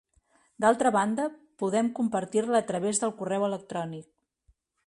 D'altra banda, podem compartir-la a través del correu electrònic.